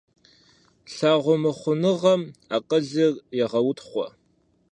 Лъагъумыхъуныгъэм акъылыр егъэутхъуэ.